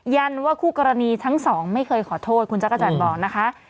ันว่าคู่กรณีทั้งสองไม่เคยขอโทษคุณจักรจันทร์บอกนะคะ